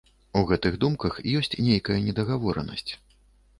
У гэтых думках ёсць нейкая недагаворанасць.